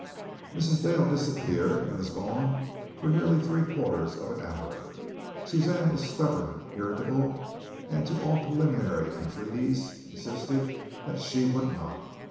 Mrs. Dale disappeared and was gone for nearly three quarters of an hour. Suzanne was stubborn, irritable, and to all preliminary entreaties insisted that she would not.